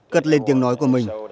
cất lên tiếng nói của mình